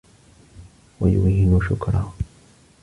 وَيُوهِنُ شُكْرَهُ